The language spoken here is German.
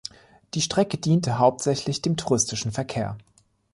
Die Strecke diente hauptsächlich dem touristischen Verkehr.